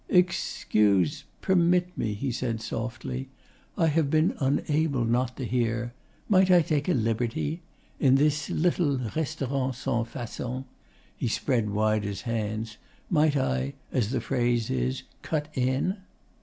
'Excuse permit me,' he said softly. 'I have been unable not to hear. Might I take a liberty? In this little restaurant sans facon' he spread wide his hands 'might I, as the phrase is, "cut in"?